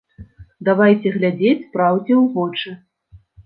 Давайце глядзець праўдзе ў вочы.